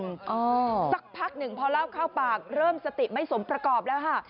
สักพักหนึ่งพอเล่าเข้าปากเริ่มสติไม่สมประกอบแล้วค่ะ